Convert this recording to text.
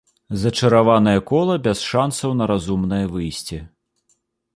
Зачараванае кола без шансаў на разумнае выйсце.